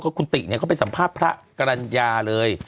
คุณติเนี่ยเขาไปสัมภาษณ์พระกรรณญาเลย